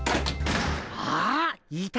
あっいた！